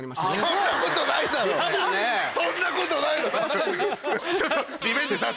そんなことない！